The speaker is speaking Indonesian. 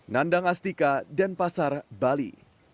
nandang astika dan pasar bali